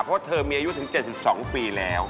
เพราะเธอมีอายุถึง๗๒ปีแล้ว